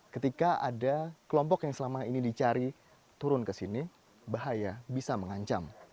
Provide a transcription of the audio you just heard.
ketika ada kelompok yang selama ini dicari turun ke sini bahaya bisa mengancam